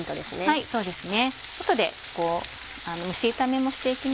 はいそうですね。